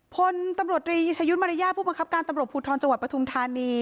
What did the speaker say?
พลตำรวจรีชยุทธ์มาริยาผู้บังคับการตำรวจภูทรจังหวัดปทุมธานี